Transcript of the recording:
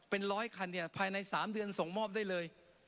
เป็นร้อยคันเนี่ยภายใน๓เดือนส่งมอบได้เลย